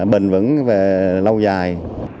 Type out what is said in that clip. bền vững và lâu dài